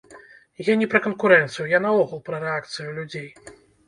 Я не пра канкурэнцыю, а наогул пра рэакцыю людзей.